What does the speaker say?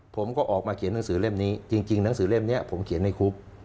ผมก็ออกมาเขียนหนังสือเล่มนี้จริงหนังสือเล่มนี้ผมเขียนในคุก